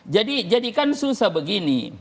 jadi jadikan susah begini